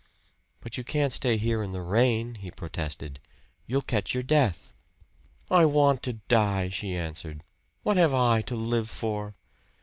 "But you can't stay here in the rain," he protested. "You'll catch your death." "I want to die!" she answered. "What have I to live for?"